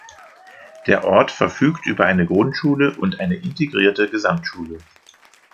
Der Ort verfügt über eine Grundschule und eine Integrierte Gesamtschule.